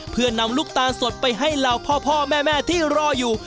เพื่อนำลูกตาลสดไปให้เหล่าพ่อแม่ที่รออยู่